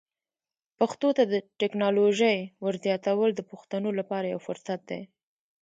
پښتو ته د ټکنالوژۍ ور زیاتول د پښتنو لپاره یو فرصت دی.